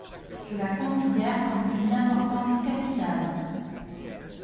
Je la considère comme d'une importance capitale.